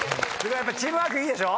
チームワークいいでしょ。